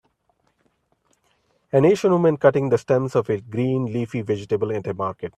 An Asian woman cutting the stems of a green leafy vegetable at a market.